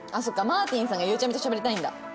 マーティンさんがゆうちゃみとしゃべりたいんだ。